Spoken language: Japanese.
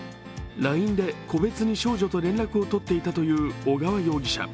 ＬＩＮＥで個別に少女と連絡を取っていたという小川容疑者。